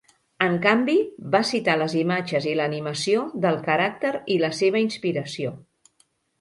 En canvi, va citar les imatges i l'animació del caràcter i la seva inspiració.